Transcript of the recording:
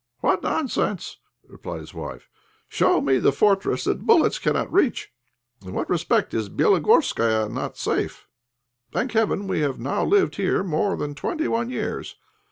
"What nonsense!" replied his wife. "Show me the fortress that bullets cannot reach. In what respect is Bélogorskaia not safe? Thank heaven, we have now lived here more than twenty one years.